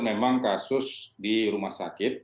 memang kasus di rumah sakit